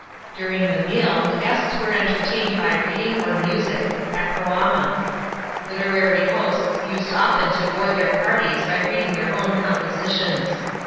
During the meal, the guests were entertained by reading or music (acroama). Literary hosts used often to bore their parties by reading their own compositi ns.